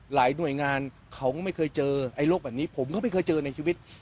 หน่วยงานเขาก็ไม่เคยเจอไอ้โรคแบบนี้ผมก็ไม่เคยเจอในชีวิต